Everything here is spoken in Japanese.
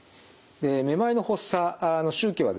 めまいの発作の周期はですね